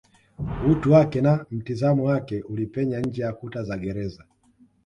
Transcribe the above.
utu wake na mtizamo wake ulipenya nje ya kuta za gereza